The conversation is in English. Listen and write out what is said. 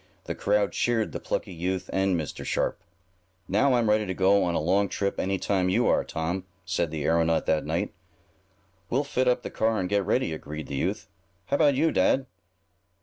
The crowd cheered the plucky youth and Mr. Sharp. "Now I'm ready to go on a long trip any time you are, Tom," said the aeronaut that night. "We'll fit up the car and get ready," agreed the 'youth. "How about you, dad?"